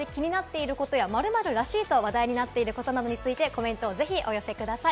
視聴者の皆さんも身の回りで気になってることや「○○らしい」と話題になっていることなどについて、コメントをお寄せください。